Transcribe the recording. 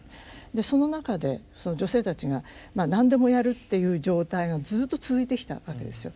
でその中で女性たちが何でもやるっていう状態がずっと続いてきたわけですよ。